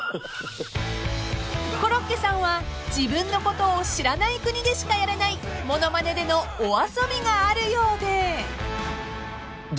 ［コロッケさんは自分のことを知らない国でしかやれないものまねでのお遊びがあるようで］